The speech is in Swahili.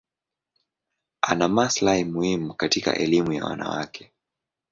Ana maslahi maalum katika elimu ya wanawake.